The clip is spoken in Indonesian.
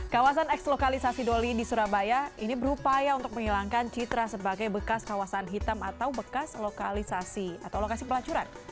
kawasan eks lokalisasi doli di surabaya ini berupaya untuk menghilangkan citra sebagai bekas kawasan hitam atau bekas lokalisasi atau lokasi pelacuran